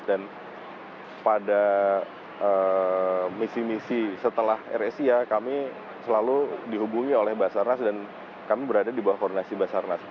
dan pada misi misi setelah airesia kami selalu dihubungi oleh basarnas dan kami berada di bawah koordinasi basarnas